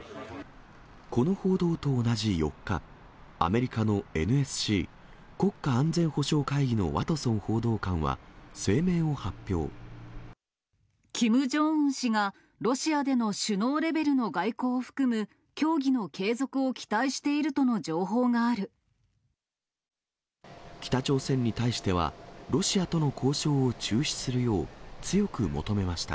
この報道と同じ４日、アメリカのＮＳＣ・国家安全保障会議のワトソン報道官は、声明をキム・ジョンウン氏が、ロシアでの首脳レベルの外交を含む協議の継続を期待しているとの北朝鮮に対しては、ロシアとの交渉を中止するよう、強く求めました。